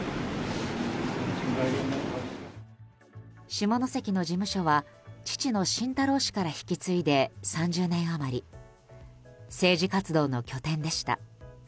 下関の事務所は父の晋太郎氏から引き継いで３０年余り政治活動の拠点でした。